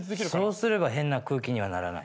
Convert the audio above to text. そうすれば変な空気にはならない。